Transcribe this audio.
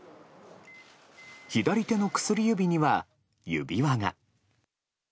左手の薬指には指輪が。